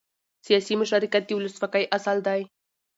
سیاسي مشارکت د ولسواکۍ اصل دی